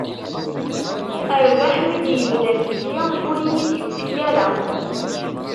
Rrbeḥ mi d-yedla fell-i, ur iyi-d-yufi ara.